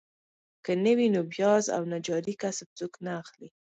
که نه وي نو پیاز او نجاري کسب څوک نه اخلي.